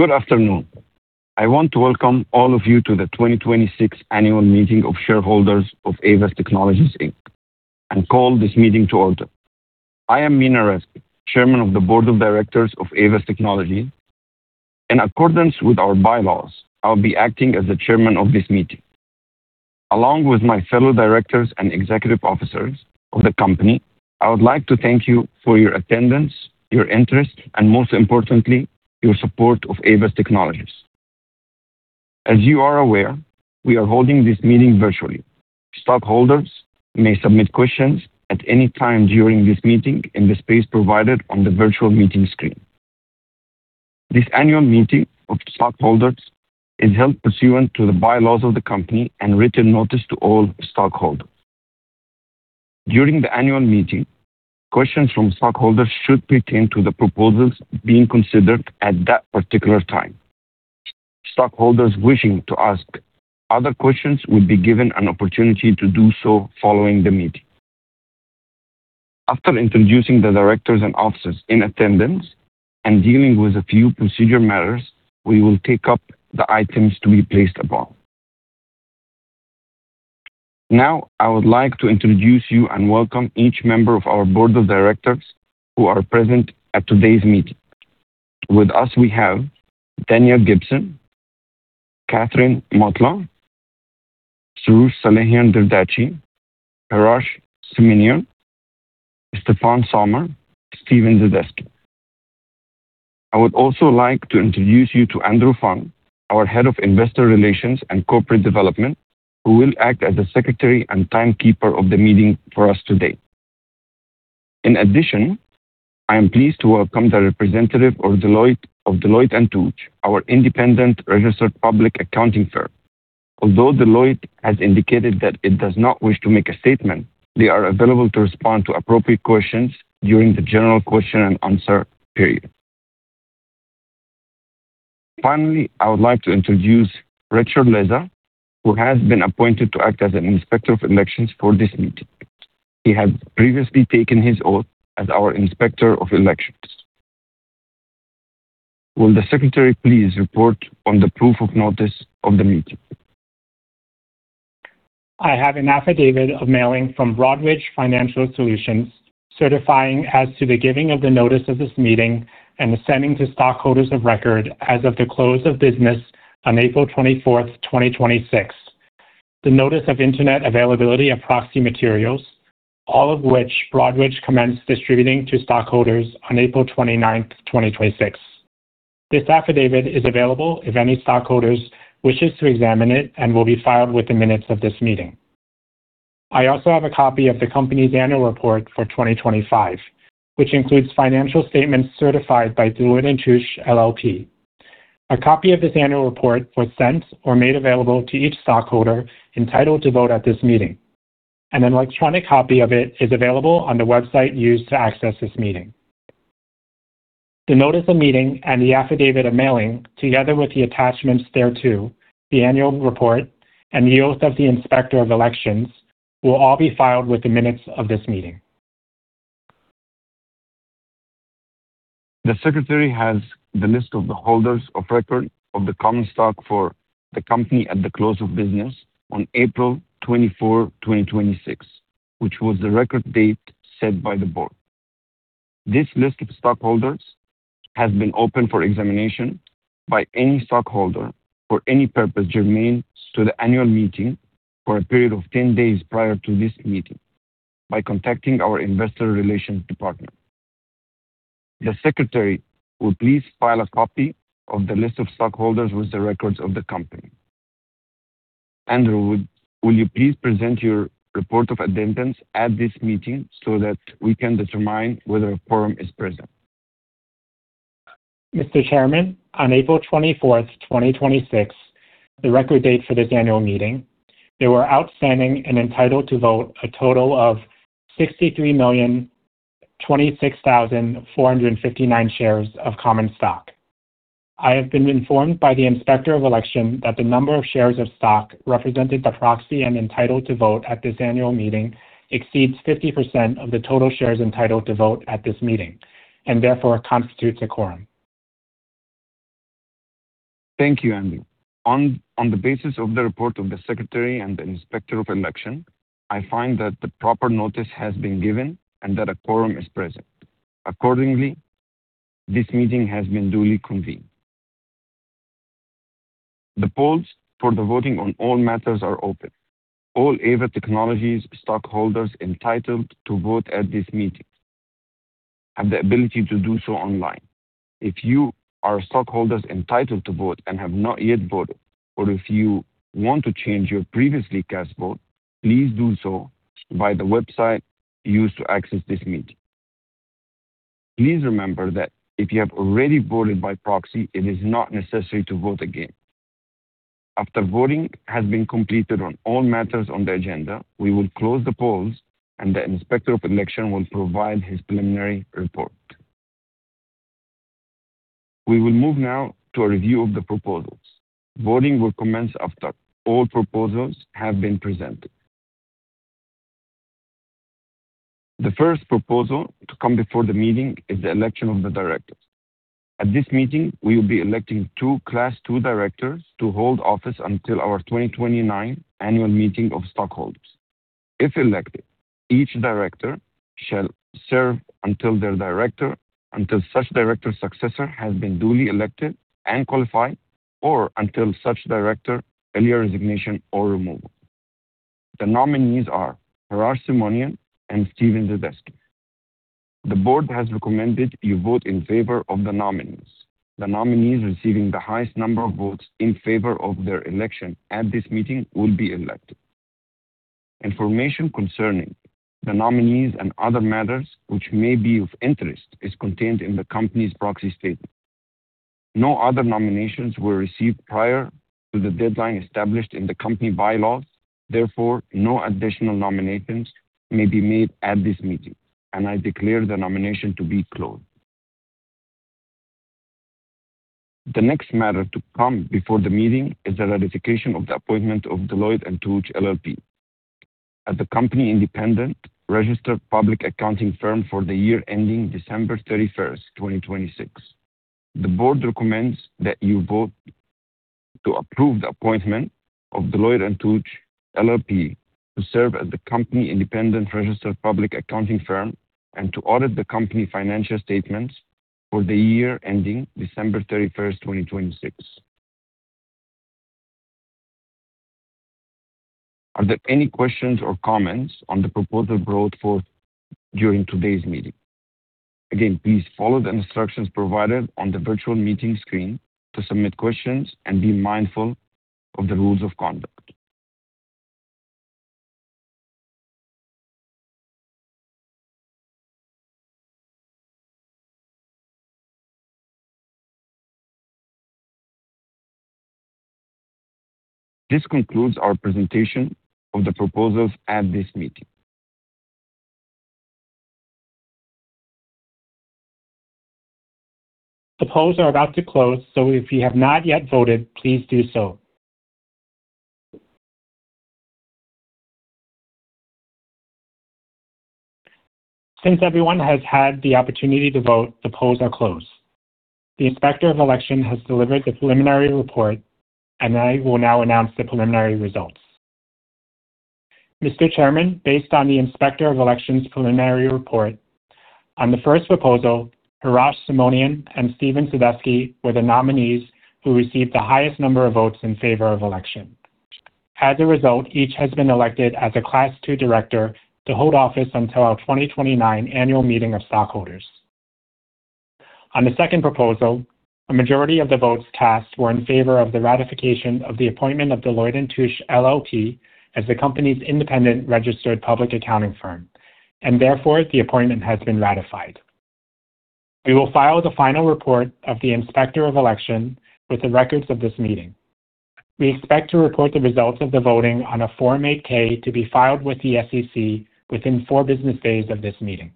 Good afternoon. I want to welcome all of you to the 2026 Annual Meeting of Shareholders of Aeva Technologies, Inc., and call this meeting to order. I am Mina Rezk, Chairman of the Board of Directors of Aeva Technologies. In accordance with our bylaws, I'll be acting as the chairman of this meeting. Along with my fellow directors and executive officers of the company, I would like to thank you for your attendance, your interest, and most importantly, your support of Aeva Technologies. As you are aware, we are holding this meeting virtually. Stockholders may submit questions at any time during this meeting in the space provided on the virtual meeting screen. This annual meeting of stockholders is held pursuant to the bylaws of the company and written notice to all stockholders. During the annual meeting, questions from stockholders should pertain to the proposals being considered at that particular time. Stockholders wishing to ask other questions will be given an opportunity to do so following the meeting. After introducing the directors and officers in attendance and dealing with a few procedure matters, we will take up the items to be placed upon. I would like to introduce you and welcome each member of our board of directors who are present at today's meeting. With us, we have Daniel Gibson, Katherine Motlagh, Soroush Salehian Dardashti, Chirag Shah, Stefan Sommer, Stephen Zadesky. I would also like to introduce you to Andrew Fung, our Head of Investor Relations and Corporate Development, who will act as the secretary and timekeeper of the meeting for us today. I am pleased to welcome the representative of Deloitte & Touche, our independent registered public accounting firm. Although Deloitte has indicated that it does not wish to make a statement, they are available to respond to appropriate questions during the general question and answer period. I would like to introduce Richard Leza, who has been appointed to act as an Inspector of Elections for this meeting. He has previously taken his oath as our Inspector of Elections. Will the secretary please report on the proof of notice of the meeting? I have an affidavit of mailing from Broadridge Financial Solutions certifying as to the giving of the notice of this meeting and the sending to stockholders of record as of the close of business on April 24th, 2026, the notice of internet availability of proxy materials, all of which Broadridge commenced distributing to stockholders on April 29th, 2026. This affidavit is available if any stockholder wishes to examine it and will be filed with the minutes of this meeting. I also have a copy of the company's annual report for 2025, which includes financial statements certified by Deloitte & Touche LLP. A copy of this annual report was sent or made available to each stockholder entitled to vote at this meeting. An electronic copy of it is available on the website used to access this meeting. The notice of meeting and the affidavit of mailing, together with the attachments thereto, the annual report, and the oath of the inspector of elections will all be filed with the minutes of this meeting. The secretary has the list of the holders of record of the common stock for the company at the close of business on April 24, 2026, which was the record date set by the board. This list of stockholders has been open for examination by any stockholder for any purpose germane to the annual meeting for a period of 10 days prior to this meeting by contacting our investor relations department. The secretary will please file a copy of the list of stockholders with the records of the company. Andrew, will you please present your report of attendance at this meeting so that we can determine whether a quorum is present? Mr. Chairman, on April 24th, 2026, the record date for this annual meeting, there were outstanding and entitled to vote a total of 63,026,459 shares of common stock. I have been informed by the inspector of election that the number of shares of stock represented by proxy and entitled to vote at this annual meeting exceeds 50% of the total shares entitled to vote at this meeting, and therefore constitutes a quorum. Thank you, Andrew. On the basis of the report of the secretary and the inspector of election, I find that the proper notice has been given and that a quorum is present. Accordingly, this meeting has been duly convened. The polls for the voting on all matters are open. All Aeva Technologies stockholders entitled to vote at this meeting have the ability to do so online. If you are stockholders entitled to vote and have not yet voted, or if you want to change your previously cast vote, please do so by the website used to access this meeting. Please remember that if you have already voted by proxy, it is not necessary to vote again. After voting has been completed on all matters on the agenda, we will close the polls, and the inspector of election will provide his preliminary report. We will move now to a review of the proposals. Voting will commence after all proposals have been presented. The first proposal to come before the meeting is the election of the directors. At this meeting, we will be electing two Class II directors to hold office until our 2029 annual meeting of stockholders. If elected, each director shall serve until such director's successor has been duly elected and qualified, or until such director earlier resignation or removal. The nominees are Hrach Simonian and Stephen Zadesky. The board has recommended you vote in favor of the nominees. The nominees receiving the highest number of votes in favor of their election at this meeting will be elected. Information concerning the nominees and other matters which may be of interest is contained in the company's proxy statement. No other nominations were received prior to the deadline established in the company bylaws. Therefore, no additional nominations may be made at this meeting. I declare the nomination to be closed. The next matter to come before the meeting is the ratification of the appointment of Deloitte & Touche LLP, as the company's independent registered public accounting firm for the year ending December 31, 2026. The board recommends that you vote to approve the appointment of Deloitte & Touche LLP, to serve as the company's independent registered public accounting firm and to audit the company's financial statements for the year ending December 31, 2026. Are there any questions or comments on the proposals brought forth during today's meeting? Again, please follow the instructions provided on the virtual meeting screen to submit questions, and be mindful of the rules of conduct. This concludes our presentation of the proposals at this meeting. The polls are about to close. If you have not yet voted, please do so. Since everyone has had the opportunity to vote, the polls are closed. The Inspector of Election has delivered the preliminary report. I will now announce the preliminary results. Mr. Chairman, based on the Inspector of Election's preliminary report, on the first proposal, Hrach Simonian and Stephen Zadesky were the nominees who received the highest number of votes in favor of election. As a result, each has been elected as a Class II director to hold office until our 2029 annual meeting of stockholders. On the second proposal, a majority of the votes cast were in favor of the ratification of the appointment of Deloitte & Touche LLP, as the company's independent registered public accounting firm. Therefore, the appointment has been ratified. We will file the final report of the Inspector of Election with the records of this meeting. We expect to report the results of the voting on a Form 8-K to be filed with the SEC within four business days of this meeting.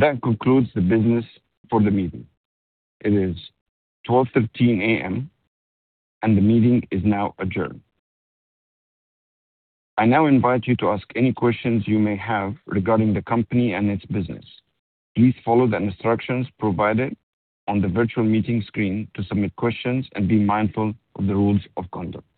That concludes the business for the meeting. It is 12:13 A.M., and the meeting is now adjourned. I now invite you to ask any questions you may have regarding the company and its business. Please follow the instructions provided on the virtual meeting screen to submit questions and be mindful of the rules of conduct.